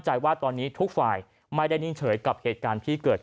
ใจว่าตอนนี้ทุกฝ่ายไม่ได้นิ่งเฉยกับเหตุการณ์ที่เกิด